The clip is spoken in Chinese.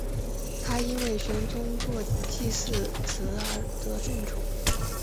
他因为玄宗作祭祀词而得圣宠。